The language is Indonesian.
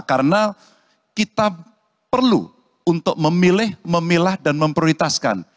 karena kita perlu untuk memilih memilah dan memprioritaskan